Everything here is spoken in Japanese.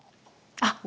あっ！